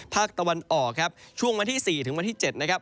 ภาคตะวันออกครับช่วงวันที่๔ถึงวันที่๗นะครับ